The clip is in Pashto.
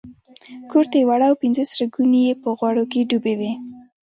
کورته یې وړه او پنځه سره ګوني یې په غوړو کې ډوبې وې.